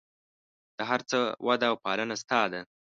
د هر څه وده او پالنه ستا ده.